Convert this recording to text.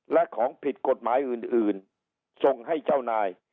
และของผิดกฎหมายอื่นส่งให้เจ้านาย